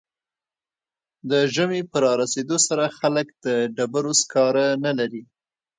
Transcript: د ژمي په رارسیدو سره خلک د ډبرو سکاره نلري